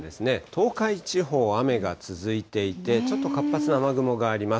東海地方、雨が続いていて、ちょっと活発な雨雲があります。